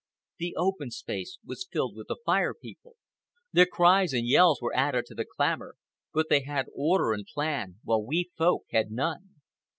The open space was filled with the Fire People. Their cries and yells were added to the clamor, but they had order and plan, while we Folk had none.